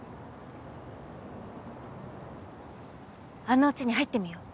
あのうちに入ってみよう。